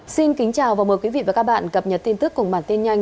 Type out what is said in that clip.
xin kính chào và mời quý vị và các bạn cập nhật tin tức cùng bản tin nhanh